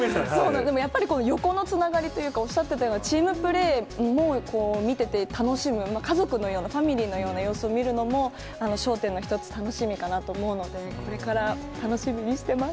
で、やっぱり横のつながりっていうか、おっしゃってたようなチームプレーも見てて、楽しむ、家族のような、ファミリーのような様子を見るのも、笑点の一つ楽しみかなと思うので、これから楽しみにしてます。